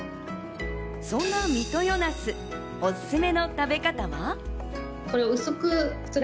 そんな三豊なす、おすすめの食べ方は。